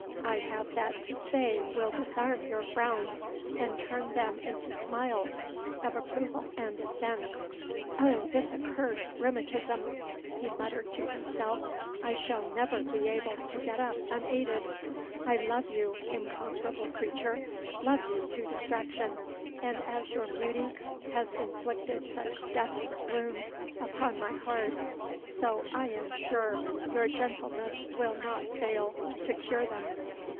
I have that to say will disarm your frowns, and turn them into smiles of approval and assent. (O, this accursed rheumatism!" he muttered to himself, "I shall never be able to get up unaided!) I love you, incomparable creature love you to distraction; and as your beauty has inflicted such desperate wounds upon my heart, so I am sure your gentleness will not fail to cure them.